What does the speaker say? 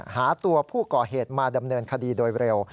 หาตัวผู้ก่อเหตุมาดำเนินคดีโดยเร็ว